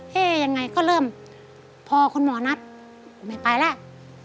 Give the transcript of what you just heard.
ยังไงก็เริ่มพอคุณหมอนัดไม่ไปแล้ว